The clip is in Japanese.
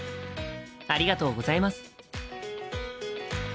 ありがとうございます。